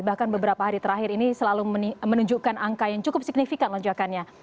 bahkan beberapa hari terakhir ini selalu menunjukkan angka yang cukup signifikan lonjakannya